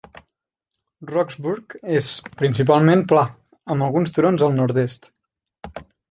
Rohrsburg és, principalment, pla, amb alguns turons al nord-est.